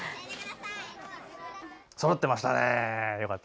そろってましたね。